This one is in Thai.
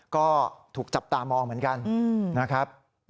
ก็ถูกจับตามองเหมือนกันนะครับ